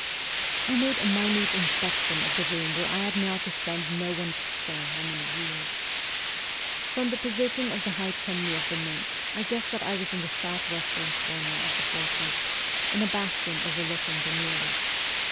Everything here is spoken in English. I made a minute inspection of the room where I had now to spend no one could say how many years. From the position of the high chimney of the Mint I guessed that I was in the south western corner of the o fortress, in a bastion overlooking the Neva.